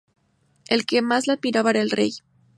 El que más la admiraba era el rey.